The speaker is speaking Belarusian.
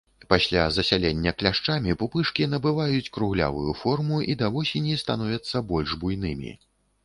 Пасля засялення кляшчамі пупышкі набываюць круглявую форму і да восені становяцца больш буйнымі.